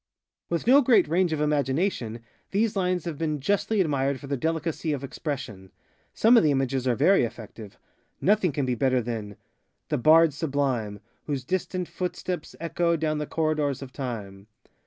With no great range of imagination, these lines have been justly admired for their delicacy of expression. Some of the images are very effective. Nothing can be better thanŌĆö ŌĆöŌĆöŌĆöŌĆöŌĆöŌĆöŌĆöthe bards sublime, Whose distant footsteps echo Down the corridors of Time.